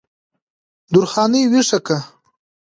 درخانۍ ویښه کړه